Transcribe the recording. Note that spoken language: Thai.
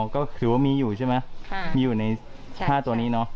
ก็ถือว่ามีอยู่ใช่ไหมมีอยู่ใน๕ตัวนี้เนาะ